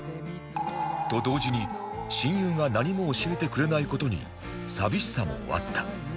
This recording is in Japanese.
と同時に親友が何も教えてくれない事に寂しさもあった